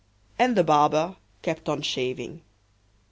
And the barber kept on shaving.